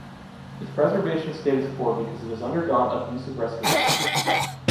Its preservation state is poor because it has undergone abusive restorations.